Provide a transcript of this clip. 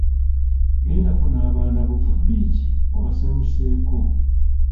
Gendeko n’abaana bo ku bbiici obasanyuseeko.